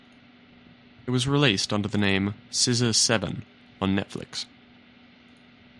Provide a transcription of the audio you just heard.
It was released under the name "Scissor Seven" on Netflix.